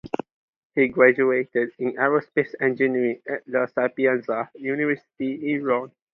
He graduated in aerospace engineering at La Sapienza University in Rome.